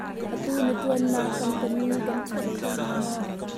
Atu na ṭuannak kampani kan chawn kho hna maw?